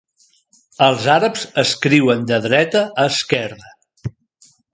Els àrabs escriuen de dreta a esquerra.